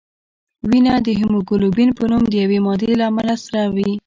وینه د هیموګلوبین په نوم د یوې مادې له امله سره وي